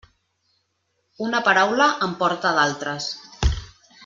Una paraula en porta d'altres.